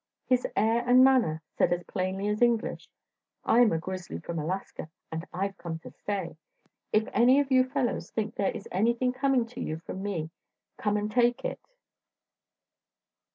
His air and manner said as plainly as English: "I'm a grizzly from Alaska, and I've come to stay. If any of you fellows think there is anything coming to you from me, come and take it."